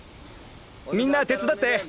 みんな手伝って！